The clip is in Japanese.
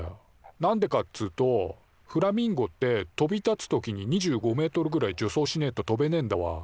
なんでかっつうとフラミンゴって飛び立つときに２５ｍぐらい助走しねえと飛べねえんだわ。